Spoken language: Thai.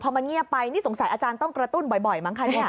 พอมันเงียบไปนี่สงสัยอาจารย์ต้องกระตุ้นบ่อยมั้งคะเนี่ย